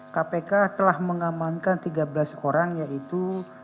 kpk telah mengamankan tiga belas orang yaitu